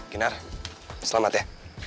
ginar selamat ya